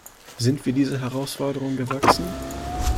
Sind wir dieser Herausforderung gewachsen?